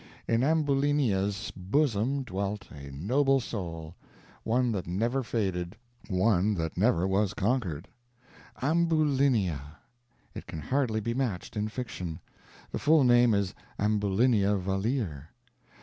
In Ambulinia's bosom dwelt a noble soul one that never faded one that never was conquered. Ambulinia! It can hardly be matched in fiction. The full name is Ambulinia Valeer.